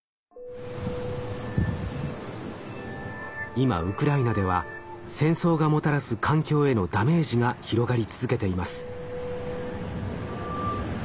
今ウクライナでは戦争がもたらす環境へのダメージが広がり続けています。